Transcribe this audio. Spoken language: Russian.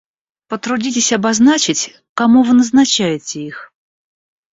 Потрудитесь обозначить, кому вы назначаете их?